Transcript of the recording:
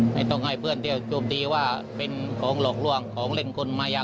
ไม่ต้องให้เพื่อนเที่ยวโจมตีว่าเป็นของหลอกล่วงของเล่นคนมาอย่าง